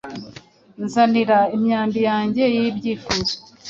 Nzanira imyambi yanjye y'ibyifuzo: